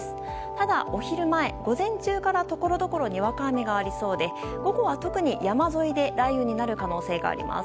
ただ、お昼前、午前中からところどころにわか雨がありそうで、午後は特に山沿いで雷雨になる可能性があります。